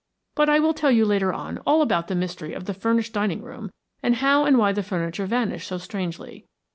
But I will tell you later on all about the mystery of the furnished dining room and how and why the furniture vanished so strangely.